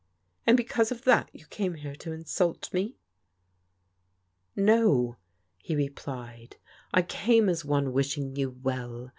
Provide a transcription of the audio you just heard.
" And because of that you came here to insult me? "" No,*' he replied, " I came as one wishing you well.